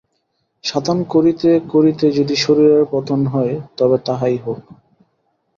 সাধন করিতে করিতে যদি শরীরের পতন হয়, তবে তাহাই হউক।